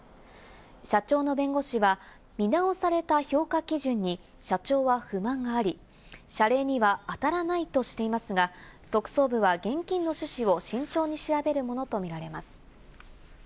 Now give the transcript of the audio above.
社長の弁護士は見直された評価基準に社長は不満があり、謝礼には当たらないとしていますが、特捜部は現金の趣旨を慎重に調べるものとみられます。